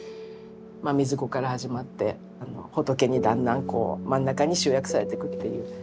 水子から始まって仏にだんだんこう真ん中に集約されてくっていう。